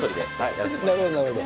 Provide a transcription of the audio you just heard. なるほどなるほど。